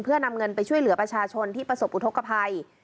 เพื่อนำเงินไปช่วยเหลือประชาชนที่ประสบอุทธกภัย